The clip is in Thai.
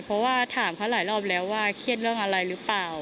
เพราะว่าถามเขาหลายรอบแล้วว่าเครียดเรื่องอะไรหรือเปล่า